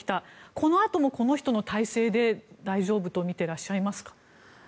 このあともこの人の体制で大丈夫とみていらっしゃいますか？